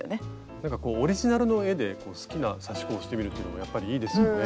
なんかこうオリジナルの絵で好きな刺し子をしてみるっていうのもやっぱりいいですよね。